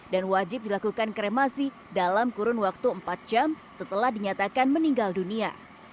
dan wajib dilakukan kremasi dalam kurun waktu empat jam setelah dinyatakan meninggal dunia